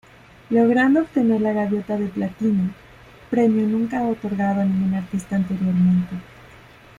Logrando obtener la Gaviota de Platino; premio nunca otorgado a ningún artista anteriormente.